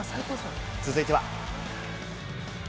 続いては。